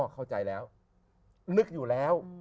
เข้าใจแล้วนึกอยู่แล้ว